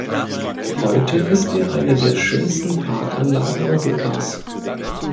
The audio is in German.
Heute ist er "eine der schönsten Parkanlagen Europas".